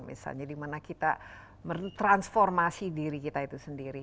misalnya dimana kita mentransformasi diri kita itu sendiri